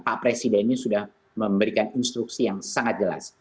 pak presiden ini sudah memberikan instruksi yang sangat jelas